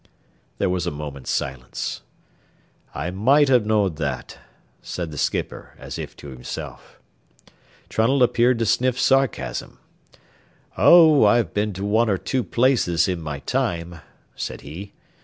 There was a moment's silence. "I might 'a' knowed that," said the skipper, as if to himself. Trunnell appeared to sniff sarcasm. "Oh, I've been to one or two places in my time," said he.